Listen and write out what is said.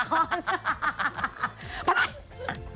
ย้าย